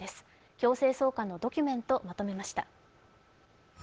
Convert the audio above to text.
強制送還のドキュメントまとめました。